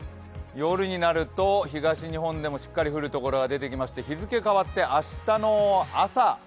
夜になると東日本でもしっかり降るところが出てきまして日付変わって明日の朝。